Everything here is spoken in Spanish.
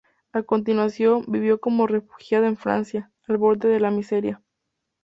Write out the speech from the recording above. A continuación, vivió como refugiada en Francia, al borde de la miseria.